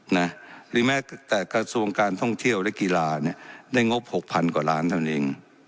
หรือแม้กระทรวงการท่องเที่ยวและกีฬาได้งบ๖๐๐๐กว่าล้านบาทเท่านั้นเอง